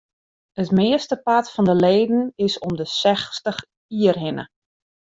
It meastepart fan de leden is om de sechstich jier hinne.